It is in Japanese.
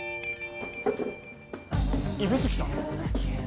指宿さん！